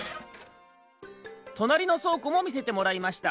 となりのそうこもみせてもらいました。